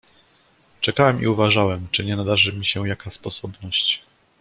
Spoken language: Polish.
"Czekałem i uważałem, czy nie nadarzy mi się jaka sposobność."